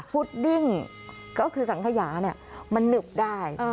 พุดดิ๊งก็คือสังขยามันหนึบได้